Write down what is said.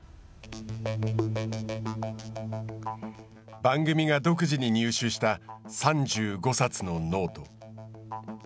番組が独自に入手した３５冊のノート。